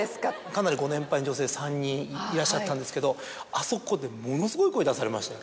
かなりご年配の女性３人いらっしゃったんですけどあそこでものすごい声出されましたよ。